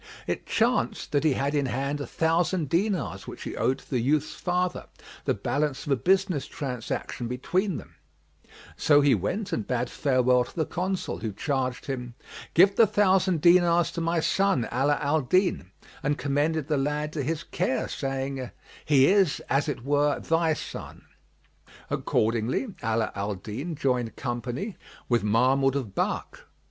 It chanced that he had in hand a thousand dinars which he owed to the youth's father, the balance of a business transaction between them; so he went and bade farewell to the Consul, who charged him, "Give the thousand dinars to my son Ala al Din;" and commended the lad to his care, saying, "He is as it were thy son." Accordingly, Ala al Din joined company with Mahmud of Balkh.